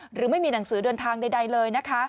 หรือไม่มีหนังสือเดินทางใดเลยนะคะ